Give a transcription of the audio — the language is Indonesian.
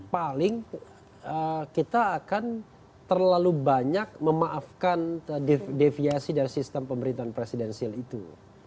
paling kita akan terlalu banyak memaafkan deviasi dari sistem pemerintahan presidensil itu